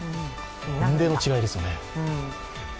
雲泥の違いですよね。